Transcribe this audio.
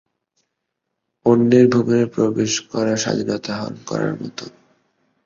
অন্যের ভুবনে প্রবেশ করা স্বাধীনতা হরণ করার মতো।